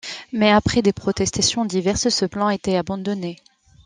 Mais après des protestations diverses ce plan a été abandonné.